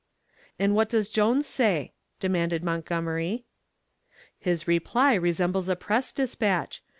"And what does Mr. Jones say?" demanded Montgomery. "His reply resembles a press dispatch.